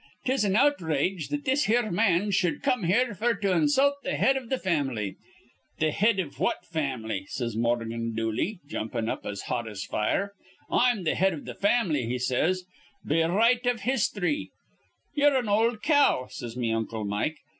'Tis an outrage that this here man shud come here f'r to insult th' head iv th' fam'ly.' 'Th' head iv what fam'ly?' says Morgan Dooley, jumpin' up as hot as fire. 'I'm th' head iv th' fam'ly,' he says, 'be right iv histhry.' 'Ye're an ol' cow,' says me uncle Mike.